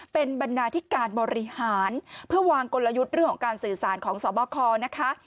เป็นบรรณาธิการบริหารเพื่อวางกลยุทธ์เรื่องของการสื่อสารของสบคนะคะ